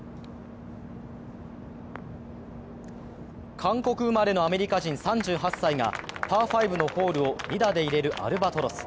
韓国生まれのアメリカ人３８歳がパー５のホールを２打で入れるアルバトロス。